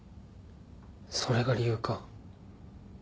それが理由か？